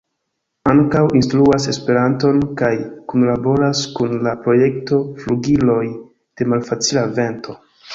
Ankaŭ instruas Esperanton kaj kunlaboras kun la projekto Flugiloj de Malfacila Vento.